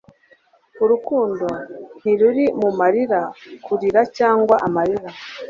urukundo ntiruri mu marira, kurira, cyangwa amarira